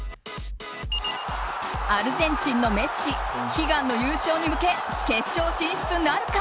アルゼンチンのメッシ悲願の優勝に向け決勝進出なるか。